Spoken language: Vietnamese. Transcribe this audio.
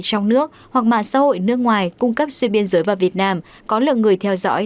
trong nước hoặc mạng xã hội nước ngoài cung cấp xuyên biên giới vào việt nam có lượng người theo dõi